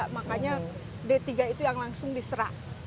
makanya d tiga itu yang langsung diserah